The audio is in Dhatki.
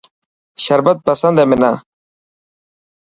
شربت پسند هي منان.